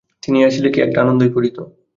তিনি আসিলে কী একটা আনন্দই পড়িত।